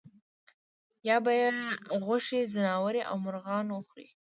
یا به یې غوښې ځناورو او مرغانو وخوړې.